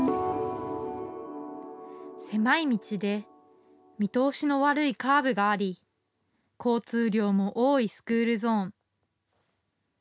狭い道で見通しの悪いカーブがあり交通量も多いスクールゾーン。